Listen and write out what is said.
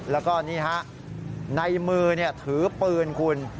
แล้วก็นี่ฮะในมือถือปืนคุณ